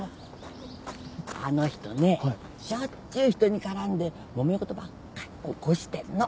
あの人ねしょっちゅう人にからんでもめ事ばっかり起こしてるの。